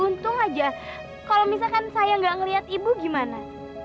untung aja kalau misalkan saya gak ngeliat ibu gimana